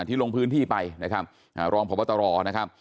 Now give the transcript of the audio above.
ลงพื้นที่ไปนะครับรองพบตรนะครับ